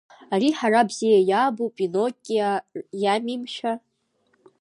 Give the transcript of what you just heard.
Ари ҳара бзиа иаабо Пиноккио иами, мшәа!